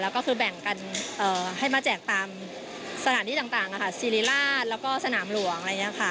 ก็แบ่งกันให้มาแจกตามสถานาที่ต่างและก็สนามหลวง